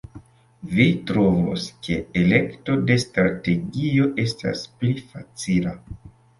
Vi trovos, ke elekto de strategio estas pli facila.